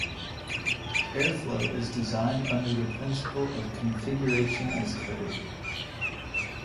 Airflow is designed under the principle of "configuration as code".